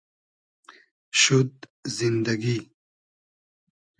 شود زیندئگی